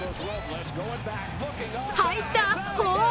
入ったー！